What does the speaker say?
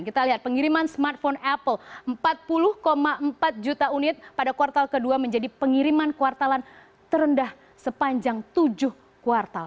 kita lihat pengiriman smartphone apple empat puluh empat juta unit pada kuartal kedua menjadi pengiriman kuartalan terendah sepanjang tujuh kuartal